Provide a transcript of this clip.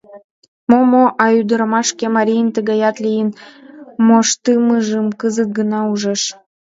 Мо-мо, а ӱдырамаш шке марийын тыгаят лийын моштымыжым кызыт гына ужеш.